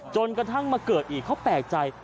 จนกระทั่งมาเกิดอีกเขาแปลกใจ